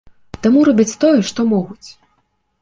Таму робяць тое, што могуць.